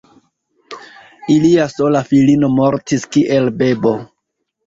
Ilia sola filino mortis kiel bebo.